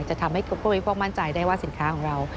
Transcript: จะทำให้ผู้บริโภคมั่นใจได้ว่าสินค้าของเรา